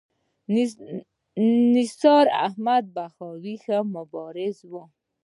نثار احمد بهاوي ښه مبارز و.